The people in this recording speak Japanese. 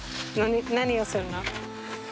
何をするの？